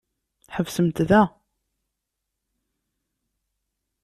Ḥebsemt da.